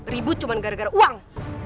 ribut cuma gara gara uang